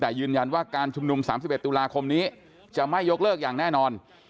แต่ยืนยันว่าการชุมนุม๓๑ตุลาคมนี้จะไม่ยกเลิกอย่างแน่นอน